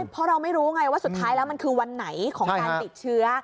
เพราะเราไม่รู้ไงว่าสุดท้ายแล้วมันคือวันไหนของการติดเชื้อ